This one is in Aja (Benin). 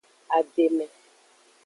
Ademe.